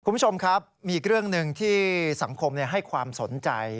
คุณผู้ชมครับมีอีกเรื่องหนึ่งที่สังคมให้ความสนใจ